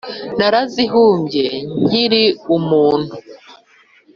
Narazihumbye nkiri umuntu!